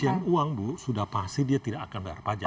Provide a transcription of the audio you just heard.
pencucian uang bu sudah pasti dia tidak akan bayar pajak